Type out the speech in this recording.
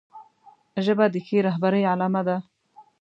ژبه د ښې رهبرۍ علامه ده